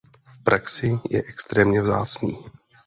V praxi je extrémně vzácný.